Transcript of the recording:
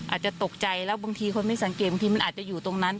อาจจะตกใจแล้วบางทีคนไม่สังเกตบางทีมันอาจจะอยู่ตรงนั้น